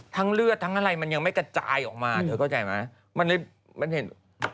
เลือดทั้งอะไรมันยังไม่กระจายออกมาเธอเข้าใจไหมมันเลยมันเห็น